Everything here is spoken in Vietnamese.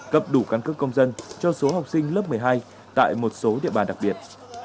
cấp đủ căn cước công dân cho số học sinh lớp một mươi hai tại một số địa bàn đặc biệt